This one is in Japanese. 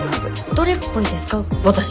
どれっぽいですか？